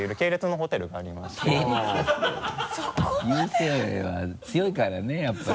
成は強いからねやっぱり。